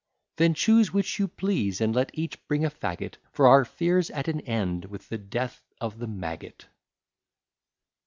Then choose which you please, and let each bring a fagot, For our fear's at an end with the death of the maggot.